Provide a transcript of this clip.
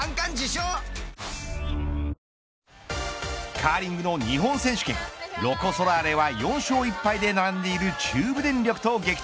カーリングの日本選手権ロコ・ソラーレは４勝１敗で並んでいる中部電力と激突。